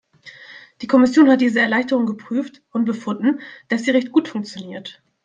Die Kommission hat diese Erleichterung geprüft und befunden, dass sie recht gut funktioniert.